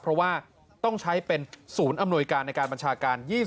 เพราะว่าต้องใช้เป็นศูนย์อำนวยการในการบัญชาการ๒๐